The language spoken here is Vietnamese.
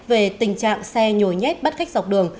về tình trạng xe nhồi nhét bắt khách dọc đường